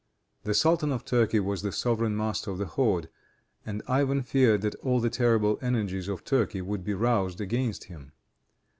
The Sultan of Turkey was the sovereign master of the horde, and Ivan feared that all the terrible energies of Turkey would be roused against him.